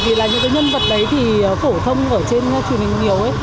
bởi vì là những cái nhân vật đấy thì phổ thông ở trên truyền hình nhiều